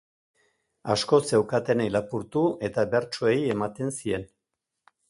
Asko zeukatenei lapurtu eta behartsuei ematen zien.